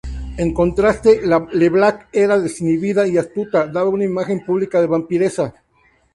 En contraste, Leblanc era desinhibida y astuta, y daba una imagen pública de vampiresa.